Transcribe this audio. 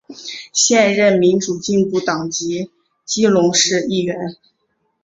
现任民主进步党籍基隆市议员。